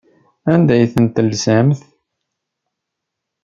Anda ay ten-telsamt?